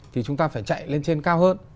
thì chúng ta phải chạy lên trên cao hơn